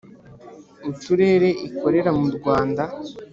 uturere ikorera mu Rwanda,